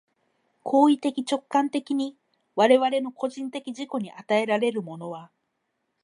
行為的直観的に我々の個人的自己に与えられるものは、